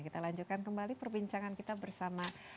kita lanjutkan kembali perbincangan kita bersama